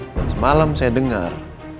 dan semalam saya dengar